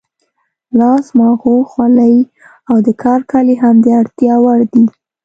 لاس ماغو، خولۍ او د کار کالي هم د اړتیا وړ دي.